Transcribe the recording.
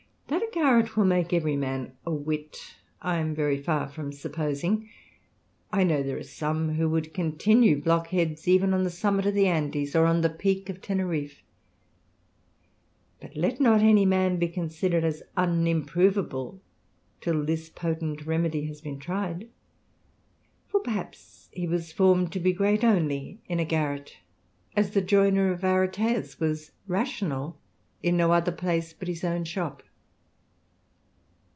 That a garret will make every man a wit, I am very far from supposing ; I know there are some who would continue blockheads even on the summit of the Andes, or on the peak of Teneriffe. But let not any man be considered as unimproveable till this potent remedy has been tried ; for perhaps he was formed to be great only in a THE RAMBLER. 143 garret, as the joiner of Aretseus was rational in no other place but his own shop.